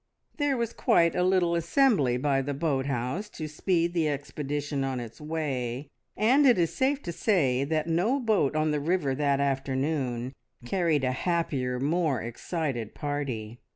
There was quite a little assembly by the boat house to speed the expedition on its way, and it is safe to say that no boat on the river that afternoon carried a happier, more excited party.